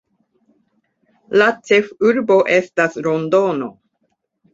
La ĉefurbo estas Londono.